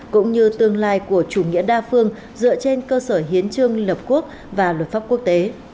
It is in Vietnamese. cũng như tương lai của chủ nghĩa đa phương dựa trên cơ sở hiến trương lập quốc và luật pháp quốc tế